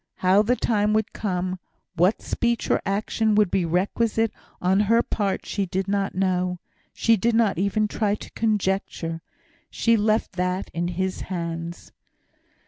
How the time would come what speech or action would be requisite on her part, she did not know she did not even try to conjecture. She left that in His hands.